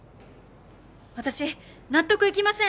私納得いきません！！